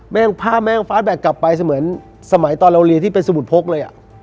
แม่งภาพแม่งกลับไปเหมือนสมัยตอนเราเรียนที่เป็นสมุทรโพกเลยอ่ะ